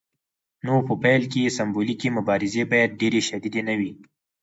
نو په پیل کې سمبولیکې مبارزې باید ډیرې شدیدې نه وي.